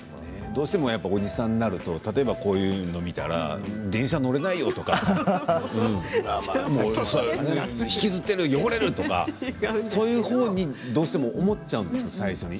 どうしてもおじさんになるとこういうの見たら電車に乗れないよとか引きずっている、汚れるとかそういうほうにどうしても思っちゃうんです、最初に。